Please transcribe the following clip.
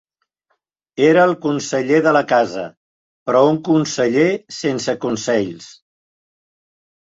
Era el conseller de la casa, però un conseller sense consells.